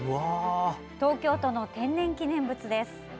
東京都の天然記念物です。